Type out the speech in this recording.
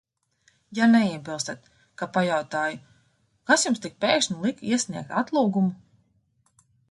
Ja neiebilstat, ka pajautāju, kas jums tik pēkšņi lika iesniegt atlūgumu?